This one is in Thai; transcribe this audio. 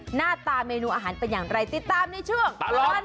หน้าตาเมนูอาหารเป็นอย่างไรติดตามในช่วงตลอด